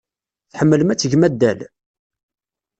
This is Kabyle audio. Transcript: Tḥemmlem ad tgem addal?